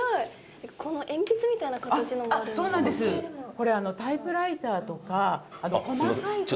これタイプライターとか細かいところを。